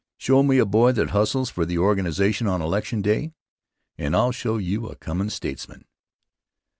Show me a boy that hustles for the organization on election day, and I'll show you a comin' statesman.